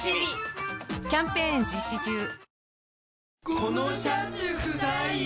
じゃこのシャツくさいよ。